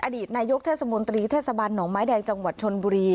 อดีตนายกเทศมนตรีเทศบาลหนองไม้แดงจังหวัดชนบุรี